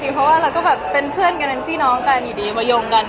เพราะว่าเราก็แบบเป็นเพื่อนกันเป็นพี่น้องกันอยู่ดีมายงกัน